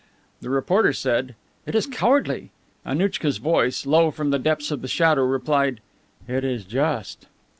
The reporter said, "It is cowardly." Annouchka's voice, low, from the depths of shadow, replied, "It is just."